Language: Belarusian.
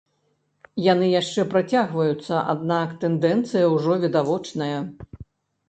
Яны яшчэ працягваюцца, аднак тэндэнцыя ўжо відавочная.